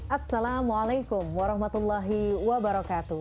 assalamualaikum warahmatullahi wabarakatuh